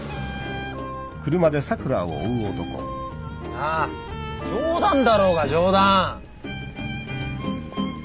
なあ冗談だろうが冗談。